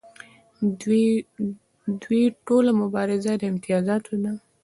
د دوی ټوله مبارزه د امتیازاتو ده.